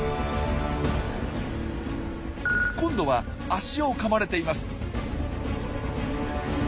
今度は足をかまれています。